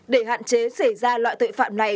để hạn chế xảy ra loại tội phạm này